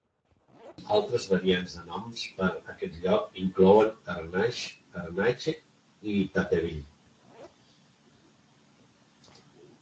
Altres variants de noms per a aquest lloc inclouen Harnages, Harnage, i Tateville.